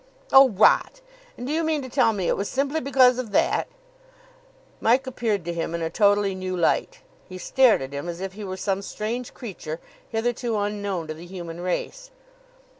"Oh, rot! And do you mean to tell me it was simply because of that ?" Mike appeared to him in a totally new light. He stared at him as if he were some strange creature hitherto unknown to the human race.